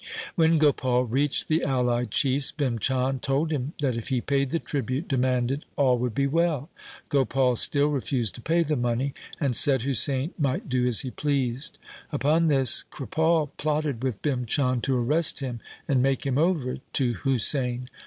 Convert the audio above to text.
When Gopal reached the allied chiefs, Bhim Chand told him that if he paid the tribute demanded all would be well. Gopal still refused to pay the money, and said Husain might do as he pleased. Upon this, Kripal plotted with Bhim Chand to arrest him and make him over to Husain.